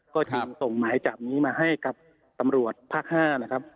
ก็จึงส่งหมายจับนี้มาให้กับตำรวจภาค๕นะครับ